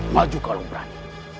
maju kalau berani